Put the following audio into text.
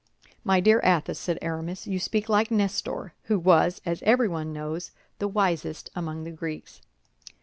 "My dear Athos," said Aramis, "you speak like Nestor, who was, as everyone knows, the wisest among the Greeks."